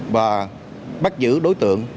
và bắt giữ đối tượng